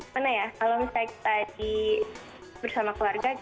mana ya kalau misalnya tadi bersama keluarga